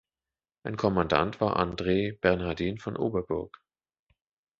Ein Kommandant war Andree Bernhardin von Oberburg.